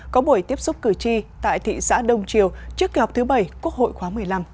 có buổi tiếp xúc cử tri tại thị xã đông triều trước kỳ họp thứ bảy quốc hội khóa một mươi năm